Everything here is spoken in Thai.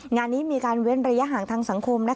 งานนี้มีการเว้นระยะห่างทางสังคม